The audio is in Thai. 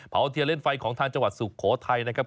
เทียเล่นไฟของทางจังหวัดสุโขทัยนะครับ